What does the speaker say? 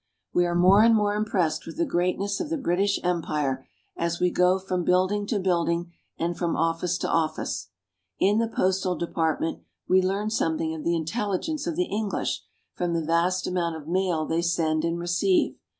We are more and more impressed with the greatness of the British Empire as we go from building to building, and from office to office. In the Postal Department we learn something of the intelligence of the English from the vast amount of mail they send and receive.